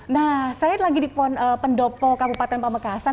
nah saya lagi di pendopo kabupaten pamekasan